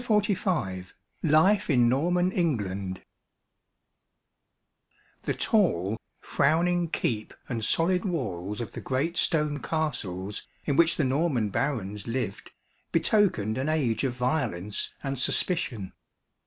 Ruskin LIFE IN NORMAN ENGLAND The tall, frowning keep and solid walls of the great stone castles, in which the Norman barons lived, betokened an age of violence and suspicion.